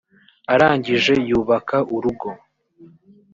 arangije yubaka urugo